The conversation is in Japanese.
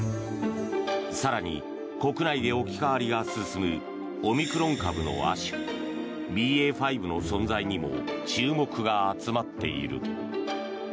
更に国内で置き換わりが進むオミクロン株の亜種ＢＡ．５の存在にも注目が集まっている。